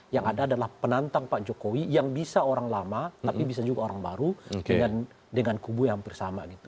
yang ada adalah penantang pak jokowi yang bisa orang lama tapi bisa juga orang baru dengan kubu yang hampir sama gitu